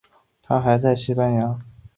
他还在西班牙效力奥沙辛拿和美国球会。